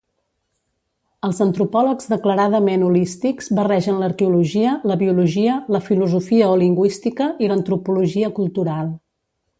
Els antropòlegs declaradament holístics barregen l'arqueologia, la biologia, la filosofia o lingüística i l'antropologia cultural.